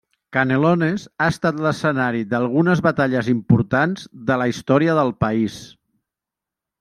Canelones ha estat l'escenari d'algunes batalles importants de la història del país.